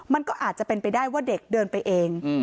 มันก็อาจจะเป็นไปได้ว่าเด็กเดินไปเอง